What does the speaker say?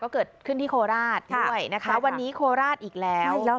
เกิดขึ้นที่โคราชด้วยนะคะ